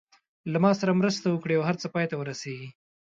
له ما سره مرسته وکړي او هر څه پای ته ورسېږي.